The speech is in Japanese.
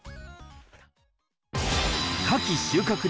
カキ収穫量